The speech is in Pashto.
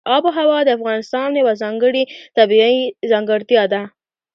آب وهوا د افغانستان یوه ځانګړې طبیعي ځانګړتیا ده.